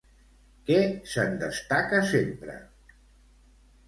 Què se'n destaca sempre?